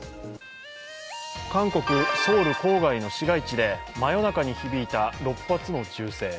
韓国・ソウル郊外の市街地で真夜中に響いた６発の銃声。